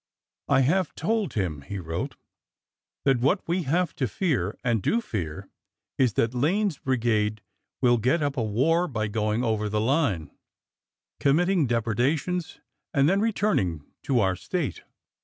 " I have told him," he wrote, that what we have to fear, and do fear, is that Lane's brigade will get up a war by going over the line, commit ting depredations, and then returning to our State."